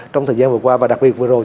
trong thời gian vừa qua và đặc biệt vừa rồi